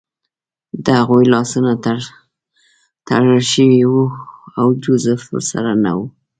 د هغوی لاسونه تړل شوي وو او جوزف ورسره نه و